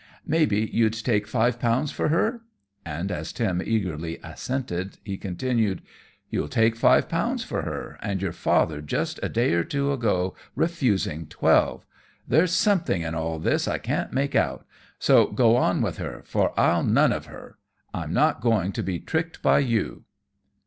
"May be you'd take five pounds for her?" And, as Tim eagerly assented, he continued, "You'll take five pounds for her, and your father just a day or two ago refused twelve. There's something in all this I can't make out, so go on with her, for I'll none of her. I'm not going to be tricked by you."